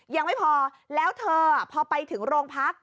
ยังไม่พอแล้วเธอพอไปถึงโรงพัก